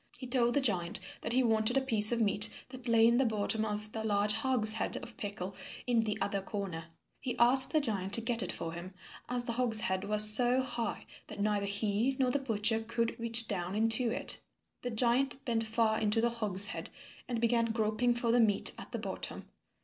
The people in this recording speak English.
He told the giant that he wanted a piece of meat that lay in the bottom of the large hogshead of pickle in the other corner. He asked the giant to get it for him, as the hogshead was so high that neither he nor the butcher could reach down into it. The giant bent far into the hogshead and began groping for the meat at the bottom.